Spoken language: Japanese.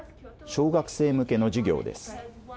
小学生向けの授業です。